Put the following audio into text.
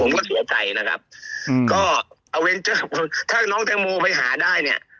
ผมก็เสียใจนะครับก็เอาเว้นเจอถ้าน้องเต็งโมไปหาได้เนี่ย